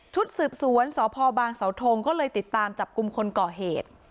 สืบสวนสพบางสาวทงก็เลยติดตามจับกลุ่มคนก่อเหตุ